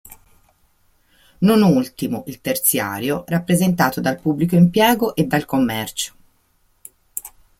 Non ultimo, il terziario, rappresentato dal pubblico impiego e dal commercio.